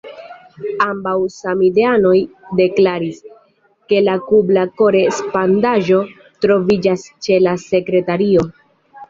Ambaŭ samideanoj deklaris, ke la kluba kore-spondaĵo troviĝas ĉe la sekretario.